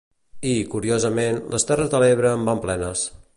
I, curiosament, les Terres de l'Ebre en van plenes.